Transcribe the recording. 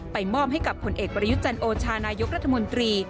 มอบให้กับผลเอกประยุทธ์จันโอชานายกรัฐมนตรี